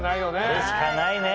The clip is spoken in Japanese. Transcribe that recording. あれしかないね。